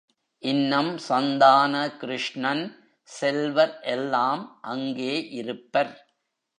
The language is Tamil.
இன்னம் சந்தான கிருஷ்ணன், செல்வர் எல்லாம் அங்கே இருப்பர்.